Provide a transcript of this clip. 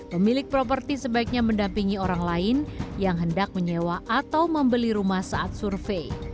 pemilik properti sebaiknya mendampingi orang lain yang hendak menyewa atau membeli rumah saat survei